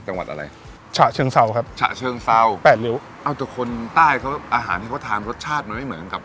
จังหวัดอะไรฉะเชิงเซาครับฉะเชิงเซาแปดริ้วเอาแต่คนใต้เขาอาหารที่เขาทานรสชาติมันไม่เหมือนกับ